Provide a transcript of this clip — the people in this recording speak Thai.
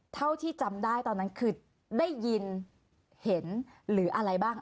เท่าที่จำได้ตอนนั้นคือได้ยินเห็นหรืออะไรบ้าง